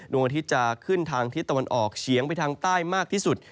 ดวงอาทิตย์จะขึ้นทางทิศตะวันออกเฉียงไปทางใต้มากที่สุด